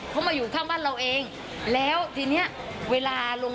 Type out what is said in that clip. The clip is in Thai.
เค้ามายูข้างบ้านเราเอง